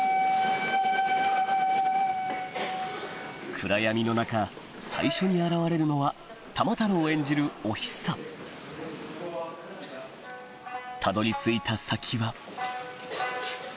暗闇の中最初に現れるのは玉太郎演じるたどり着いた先は